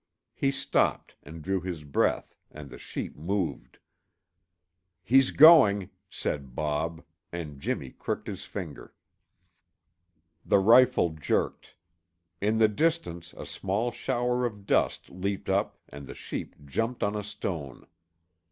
He stopped and drew his breath, and the sheep moved. "He's going," said Bob, and Jimmy crooked his finger. The rifle jerked. In the distance, a small shower of dust leaped up and the sheep jumped on a stone.